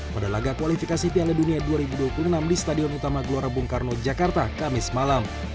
pada laga kualifikasi piala dunia dua ribu dua puluh enam di stadion utama gelora bung karno jakarta kamis malam